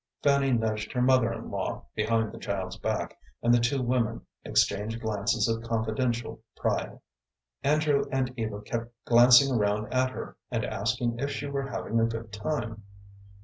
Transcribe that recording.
Fanny nudged her mother in law, behind the child's back, and the two women exchanged glances of confidential pride. Andrew and Eva kept glancing around at her, and asking if she were having a good time.